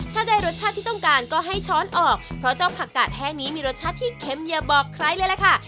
ถ้าได้รสชาติที่ต้องการก็ให้ช้อนออกเพราะเจ้าผักกาดแห้งนี้มีรสชาติที่เค็มอย่าบอกใครเลยล่ะค่ะ